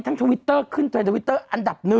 ทั้งทวิตเตอร์ขึ้นแห่งทวิตเตอร์อันดับ๑